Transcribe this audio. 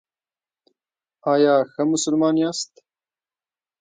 ایا ښه مسلمان یاست؟